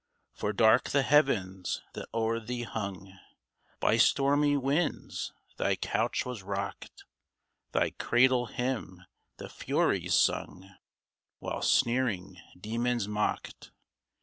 For dark the heavens that o'er thee hung ; By stormy winds thy couch was rocked ; Thy cradle hymn the Furies sung, While sneering Demons mocked